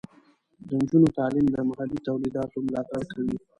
د نجونو تعلیم د محلي تولیداتو ملاتړ کوي.